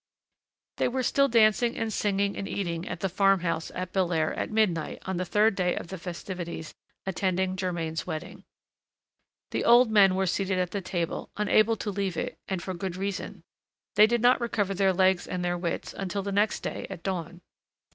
They were still dancing and singing and eating at the farm house at Belair at midnight on the third day of the festivities attending Germain's wedding. The old men were seated at the table, unable to leave it, and for good reason. They did not recover their legs and their wits until the next day at dawn.